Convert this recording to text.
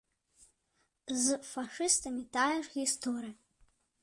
З фашыстамі тая ж гісторыя.